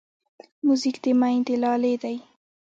موزیک د میندې لالې دی.